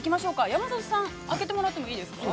山里さん、開けてもらっていいですか。